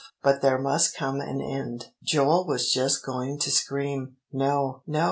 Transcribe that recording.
But there must come an end, and" Joel was just going to scream "No no!